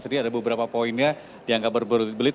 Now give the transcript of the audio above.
tadi ada beberapa poinnya dianggap berbelit belit